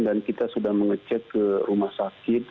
dan kita sudah mengecek ke rumah sakit